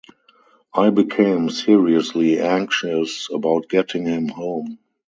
I became seriously anxious about getting him home.